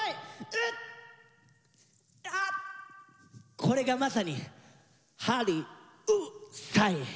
これがまさにハリウッサイン！